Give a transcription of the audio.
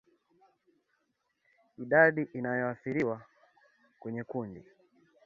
Idadi inayoathiriwa kwenye kundi